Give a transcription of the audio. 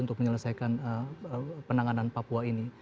untuk menyelesaikan penanganan papua ini